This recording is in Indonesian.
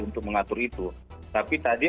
untuk mengatur itu tapi tadi